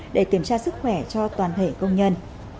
để kiểm tra sức khỏe cho toàn thể công nhân